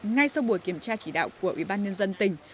ngay sau buổi kiểm tra chỉ đạo của ủy ban nhân dân tỉnh